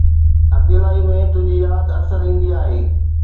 اڪيلائي ۾، تنهنجي ياد اڪثر ايندي آهي